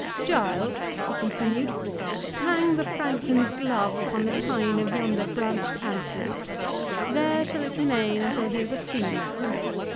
—Giles," he continued, "hang the franklin's glove upon the tine of yonder branched antlers: there shall it remain until he is a free man.